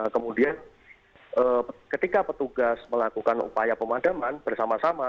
kemudian ketika petugas melakukan upaya pemadaman bersama sama